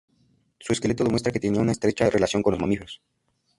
Su esqueleto demuestra que tenían una estrecha relación con los mamíferos.